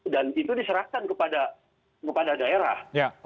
dan itu diserahkan kepada daerah